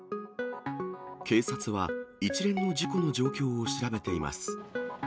警察は一連の事故の状況を調べています。